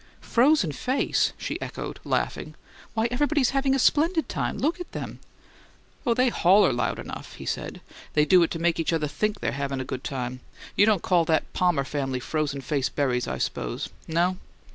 "'Frozen face?'" she echoed, laughing. "Why, everybody's having a splendid time. Look at them." "Oh, they holler loud enough," he said. "They do it to make each other think they're havin' a good time. You don't call that Palmer family frozen face berries, I s'pose. No?"